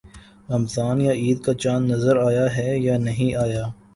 رمضان یا عید کا چاند نظر آیا ہے یا نہیں آیا